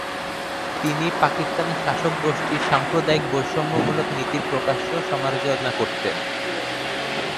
তিনি পাকিস্তানি শাসকগোষ্ঠীর সাম্প্রদায়িক বৈষম্যমূলক নীতির প্রকাশ্য সমালোচনা করতেন।